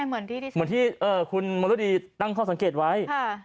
เป็นไงเหมือนที่คุณมนุษย์ดีตั้งข้อสังเกตไว้